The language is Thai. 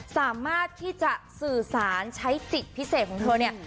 สามารถที่จะสื่อสารใช้ติดพิเศษของเขา